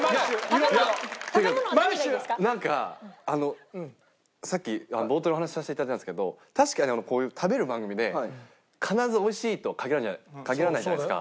なんかあのさっき冒頭でお話しさせていただいたんですけど確かにこういう食べる番組で必ずおいしいとは限らないじゃないですか。